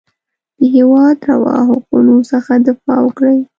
د هېواد روا حقونو څخه دفاع وکړي.